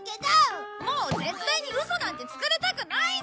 もう絶対にウソなんてつかれたくないんだ！